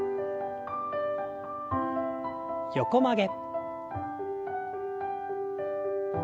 横曲げ。